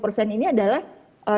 di mana kita bisa masuk